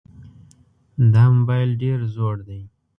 دا موبایل ډېر زوړ دی.